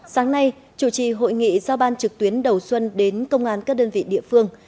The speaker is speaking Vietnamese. sáng nay chủ trì hội nghị giao ban trực tuyến đầu xuân đến công an các đơn vị địa phương